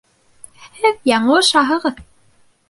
Һеҙ яңылышаһығыҙ